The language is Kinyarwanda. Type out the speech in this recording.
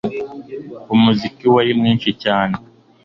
Umuziki wari mwinshi cyane